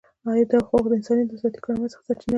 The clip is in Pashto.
دا حقوق د انسان له ذاتي کرامت څخه سرچینه اخلي.